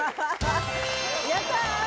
やったー